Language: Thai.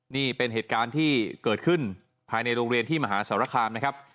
นี่เป็นเหตุการณ์ที่เกิดขึ้นภายในโรงเรียนที่มหาสารคามนะครับ